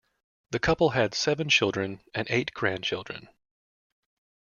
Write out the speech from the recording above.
The couple had seven children and eight grandchildren.